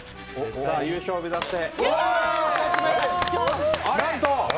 優勝目指して。